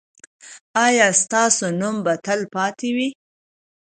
ایا ستاسو نوم به تلپاتې وي؟